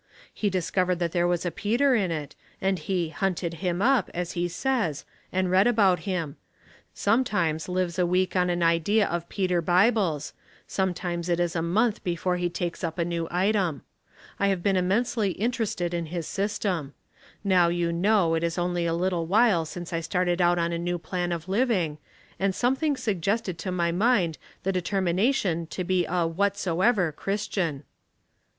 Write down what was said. He discovered that there was a Peter in it, and he ' hunted him up,' as he says, and read about him ; sometimes lives a week on an idea of Peter Bible's; sometimes it is a month A New Start. 367 before he takes up a new item. I have been immensely interested in his system. Now you know it is only a little while since I started out on a new plan of living, and something suggest ed to my mind the determination to be a ' what soever' Christian."